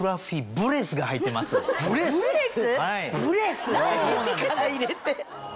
ブレス！って力入れて。